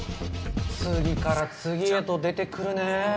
次から次へと出て来るねぇ。